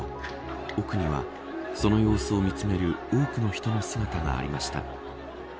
奥にはその様子を見つめる多くの人の姿がありました。